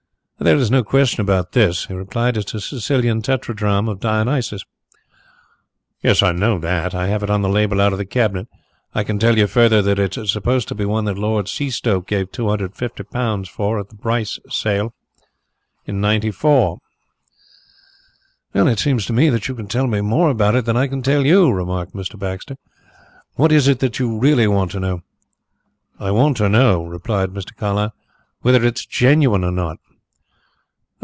"There is no question about this," he replied. "It is a Sicilian tetradrachm of Dionysius." "Yes, I know that I have it on the label out of the cabinet. I can tell you further that it's supposed to be one that Lord Seastoke gave two hundred and fifty pounds for at the Brice sale in '94." "It seems to me that you can tell me more about it than I can tell you," remarked Mr. Baxter. "What is it that you really want to know?" "I want to know," replied Mr. Carlyle, "whether it is genuine or not."